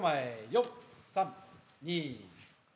４３２。